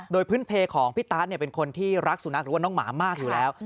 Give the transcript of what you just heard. โดยพื้นเพของพี่ตาร์ทเป็นคนที่รักสุนัขหรือว่าน้องหมามากอยู่แล้ว